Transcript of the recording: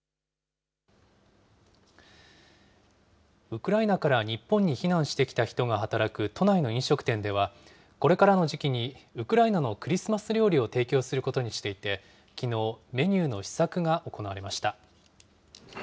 ウクライナから日本に避難してきた人が働く都内の飲食店では、これからの時期にウクライナのクリスマス料理を提供することにしていて、きのう、メニューの試作が行われました。